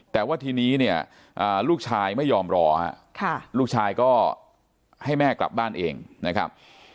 แต่ว่าทีนี้เนี่ยลูกชายไม่ยอมรอฮะลูกชายก็ให้แม่กลับบ้านเองนะครับ